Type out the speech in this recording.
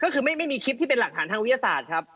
ก็คือไม่มีคลิปที่เป็นหลักฐานทางวิทยาศาสตร์ครับ